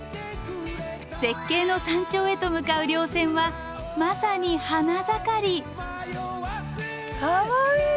絶景の山頂へと向かう稜線はまさに花盛り！